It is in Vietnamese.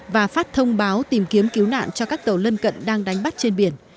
và phát thông báo tìm kiếm cứu nạn cho các tàu lân cận đang đánh bắt trên biển